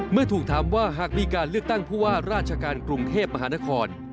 เมื่อถูกถามว่าหากมีการเลือกตั้งผู้ว่าราชการกรุงเทพมหานคร